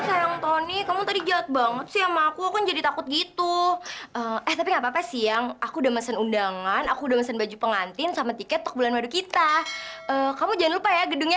sang tony kamu tadi giot banget sih sama aku aku jadi takut gitu eh tapi nggak apa apa siang aku udah mesen undangan aku udah mesin baju pengantin sama tiket tok bulan baru kita kamu jangan lupa ya gedungnya